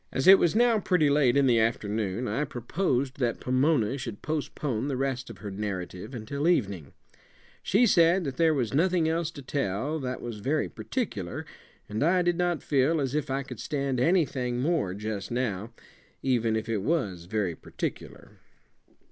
As it was now pretty late in the afternoon, I proposed that Pomona should postpone the rest of her narrative until evening. She said that there was nothing else to tell that was very particular; and I did not feel as if I could stand anything more just now, even if it was very particular.